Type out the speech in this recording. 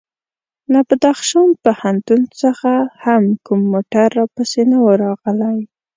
له بدخشان پوهنتون څخه هم کوم موټر راپسې نه و راغلی.